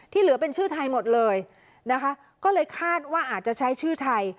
เหลือเป็นชื่อไทยหมดเลยนะคะก็เลยคาดว่าอาจจะใช้ชื่อไทย